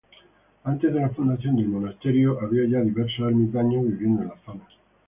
Antes de la fundación del monasterio había ya diversos ermitaños viviendo en la zona.